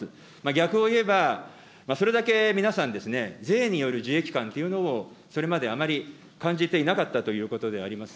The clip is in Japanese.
逆をいえば、それだけ皆さん、税による受益感というのを、それまであまり感じていなかったということであります。